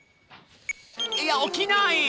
いや起きない！